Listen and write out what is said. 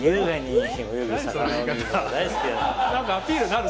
何かアピールになる？